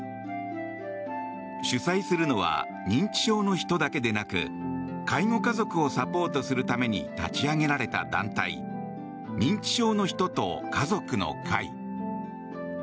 主催するのは認知症の人だけでなく介護家族をサポートするために立ち上げられた団体認知症の人と家族の会。